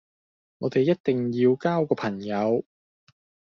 我哋一定要交個朋友